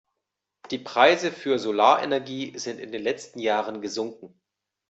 Die Preise für Solarenergie sind in den letzten Jahren gesunken.